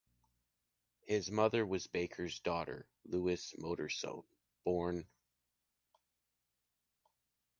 His mother was the baker’s daughter Luise Modersohn, born